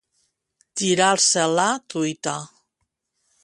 Girar-se la truita.